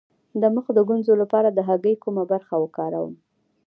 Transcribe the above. د مخ د ګونځو لپاره د هګۍ کومه برخه وکاروم؟